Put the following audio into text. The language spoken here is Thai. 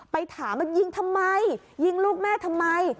ไปถามว่ายิงทำไมยิงลูกแม่ทำไม